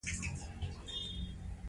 دا د مسلطو ټولنیزو جوړښتونو محصول دی.